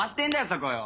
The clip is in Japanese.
そこよ！